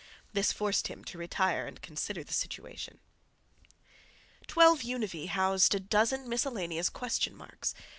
This forced him to retire and consider the situation. "12 Univee" housed a dozen miscellaneous question marks.